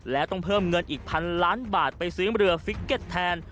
และต้องเพิ่มเงินอีกพันล้านบาทไปซื้อเรือฟิกเก็ตแทน